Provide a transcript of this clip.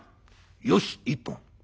よし一本。